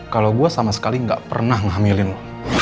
kalo gue sama sekali gak pernah ngehamilin lo